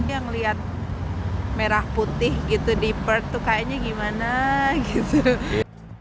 yang lihat merah putih gitu di pert tuh kayaknya gimana gitu